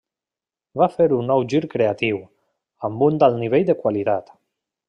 Va fer un nou gir creatiu, amb un alt nivell de qualitat.